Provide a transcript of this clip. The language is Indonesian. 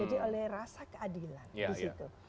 jadi oleh rasa keadilan di situ